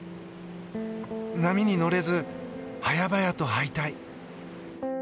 波に乗れず、早々と敗退。